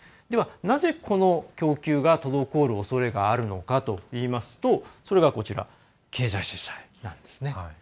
では、なぜこの供給が滞るおそれがあるのかといいますとそれが、経済制裁なんですね。